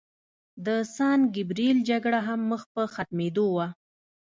د سان ګبریل جګړه هم مخ په ختمېدو وه.